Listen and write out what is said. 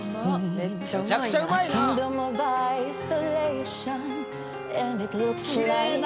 めちゃくちゃうまいな！